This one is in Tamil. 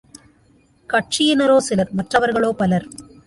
கட்சியினரோ சிலர், மற்றவர்களோ பலர்.